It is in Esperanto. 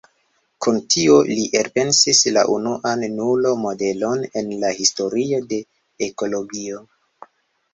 Kun tio, li elpensis la unuan nulo-modelon en la historio de ekologio.